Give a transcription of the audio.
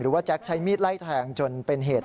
ว่าแจ็คใช้มีดไล่แทงจนเป็นเหตุ